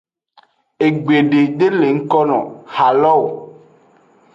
Egbede de le ngkono ha lo.